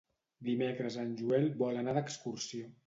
Dimecres en Joel vol anar d'excursió.